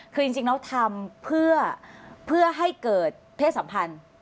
คือจริงแล้วทำเพื่อให้เกิดเพศสัมพันธ์